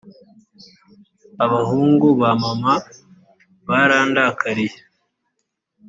abahungu ba mama barandakariye